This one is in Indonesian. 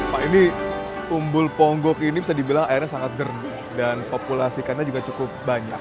pak ini umbul ponggok ini bisa dibilang airnya sangat jernih dan populasi ikannya juga cukup banyak